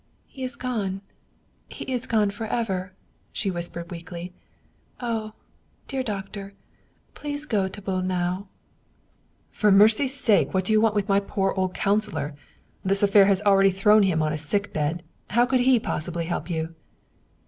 " He is gone, he is gone forever," she 98 Wilhelm Hauff whispered weakly. " Oh, dear doctor, please go to Bol nau !"" For mercy's sake, what do you want of my poor old councilor? This affair has already thrown him on a sick bed. How could he possibly help you?